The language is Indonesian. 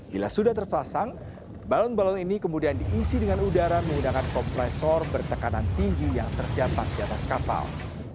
bila sudah terpasang balon balon ini kemudian diisi dengan udara menggunakan kompresor bertekanan tinggi yang terdapat di atas kapal